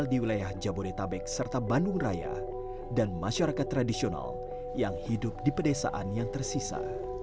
di wilayah jabodetabek serta bandung raya dan masyarakat tradisional yang hidup di pedesaan yang tersisa